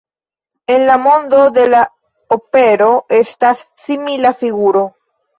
En la mondo de la opero esta simila figuro.